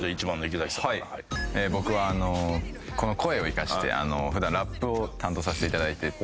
（池僕はこの声を生かして普段ラップを担当させていただいてて。